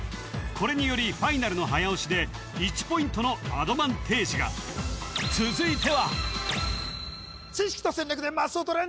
これによりファイナルの早押しで１ポイントのアドバンテージが続いては知識と戦略でマスを取れ！